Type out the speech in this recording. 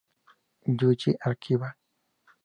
Ryuji Akiba